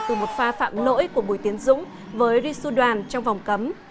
từ một pha phạm nỗi của buổi tiến dũng với risu đoàn trong vòng cấm